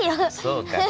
そうかな。